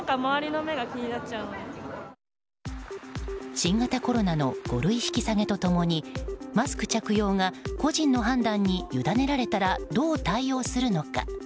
新型コロナの五類引き下げと共にマスク着用が個人の判断にゆだねられたらどう対応するのか。